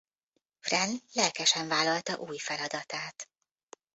Wren lelkesen vállalta új feladatát.